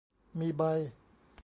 มีใบ